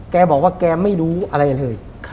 แกบอกว่าแกไม่รู้อะไรเลย